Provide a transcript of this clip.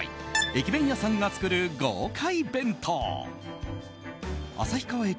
駅弁屋さんが作る豪快弁当旭川駅